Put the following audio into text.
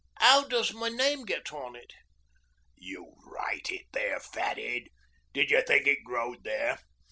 ''Ow does my name get on it?' 'You write it there, fat'ead. Didjer think it growed there?